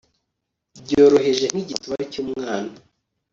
byoroheje nk'igituba cy'umwana